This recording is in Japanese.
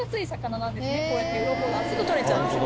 こうやってウロコがすぐ取れちゃうんです。